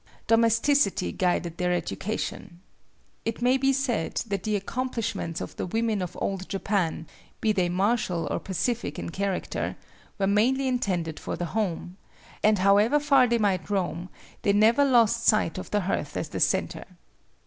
Domesticity guided their education. It may be said that the accomplishments of the women of Old Japan, be they martial or pacific in character, were mainly intended for the home; and, however far they might roam, they never lost sight of the hearth as the center.